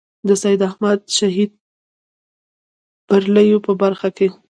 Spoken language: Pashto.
د سید احمد شهید برېلوي په برخه کې.